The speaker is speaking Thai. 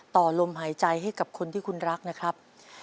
ต่อลมหายใจให้กับคนที่คุณรักนะครับ